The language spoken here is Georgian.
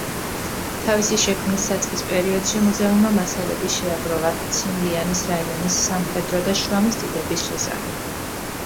თავისი შექმნის საწყის პერიოდში, მუზეუმმა მასალები შეაგროვა ციმლიანის რაიონის სამხედრო და შრომის დიდების შესახებ.